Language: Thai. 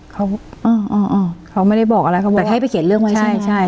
เขาอ๋ออ๋อเขาไม่ได้บอกอะไรเขาบอกแต่ให้ไปเขียนเรื่องไว้ใช่ใช่